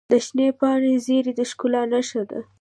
د شنې پاڼې زیرۍ د ښکلا نښه ده.